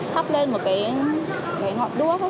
thắp lên một ngọn đuốc